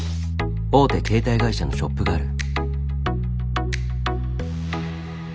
大手携帯会社のショップがある。